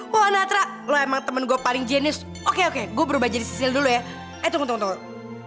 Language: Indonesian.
wah natra lo emang temen gue paling jenius oke oke gue berubah jenis skill dulu ya eh tunggu tunggu